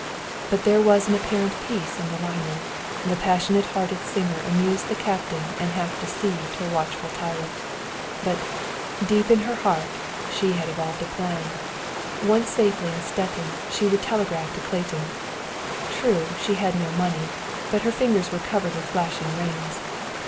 But there was an apparent peace on the liner. The passionate hearted singer amused the captain and half deceived her watchful tyrant. But, deep in her heart, she had evolved a plan. Once safely in Stettin, she would telegraph to Clayton. True, she had no money; but her fingers were covered with flashing rings.